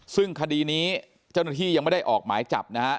ซึ่งคดีนี้เจ้าหน้าที่ยังไม่ได้ออกหมายจับนะฮะ